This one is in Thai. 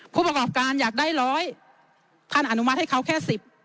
ผู้ประกอบการอยากได้ร้อยท่านอนุมัติให้เขาแค่สิบ